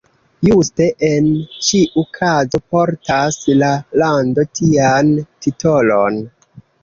Juste en ĉiu kazo portas la lando tian titolon!